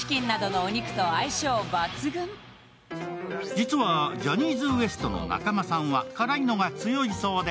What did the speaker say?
実はジャニーズＷＥＳＴの中間さんは辛いのが強いようで